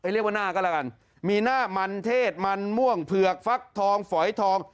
เรียกว่าหน้าก็แล้วกันมีหน้ามันเทศมันม่วงเผือกฟักทองฝอยทอง